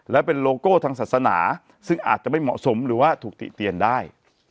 และเป็นโลโก้ทางศาสนาซึ่งอาจจะไม่เหมาะสมหรือว่าถูกติเตียนได้